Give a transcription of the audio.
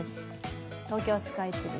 東京スカイツリー。